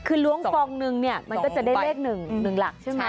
คือล้วงคลองนึงมันก็จะได้เลข๑หนึ่งหลักใช่มั้ย